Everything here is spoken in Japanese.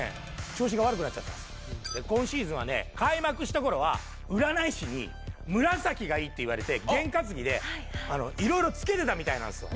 今シーズンはね開幕した頃は占い師に「紫がいい」って言われて験担ぎでいろいろ着けてたみたいなんですよ